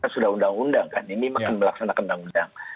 sudah undang undang kan ini masih melaksanakan undang undang